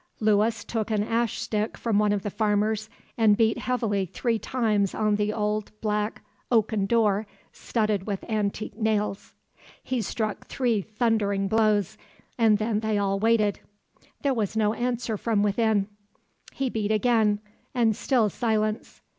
Lewis took an ash stick from one of the farmers and beat heavily three times on the old, black, oaken door studded with antique nails. He struck three thundering blows, and then they all waited. There was no answer from within. He beat again, and still silence.